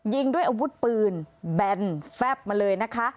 ยิงด้วยอาวุธปืนแบนแฟบมาเลยนะคะ